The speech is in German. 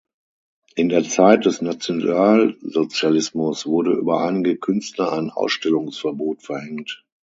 In der Zeit des Nationalsozialismus wurde über einige Künstler ein Ausstellungsverbot verhängt.